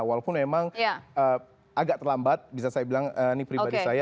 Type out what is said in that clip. walaupun memang agak terlambat bisa saya bilang ini pribadi saya